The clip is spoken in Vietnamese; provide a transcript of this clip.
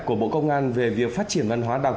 của bộ công an về việc phát triển văn hóa đọc